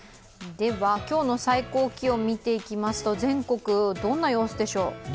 今日の最高気温、見ていきますと全国、どんな様子でしょう？